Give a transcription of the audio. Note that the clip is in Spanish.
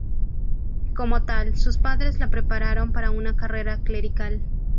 Como tal, sus padres lo prepararon para una carrera clerical.